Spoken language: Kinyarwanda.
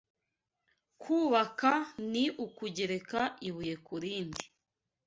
Kubaka ni ukugereka ibuye ku rindi